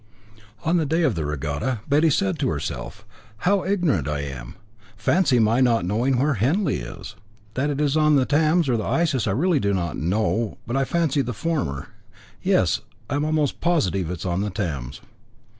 On the day of the regatta Betty said to herself; "How ignorant I am! Fancy my not knowing where Henley is! That it is on the Thames or Isis I really do not know, but I fancy on the former yes, I am almost positive it is on the Thames.